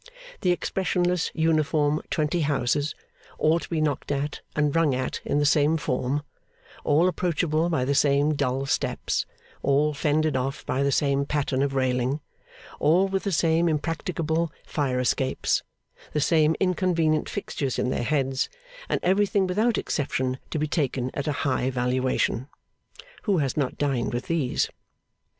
The expressionless uniform twenty houses, all to be knocked at and rung at in the same form, all approachable by the same dull steps, all fended off by the same pattern of railing, all with the same impracticable fire escapes, the same inconvenient fixtures in their heads, and everything without exception to be taken at a high valuation who has not dined with these?